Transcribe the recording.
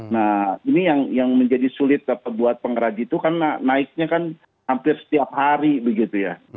nah ini yang menjadi sulit buat pengraji itu karena naiknya kan hampir setiap hari begitu ya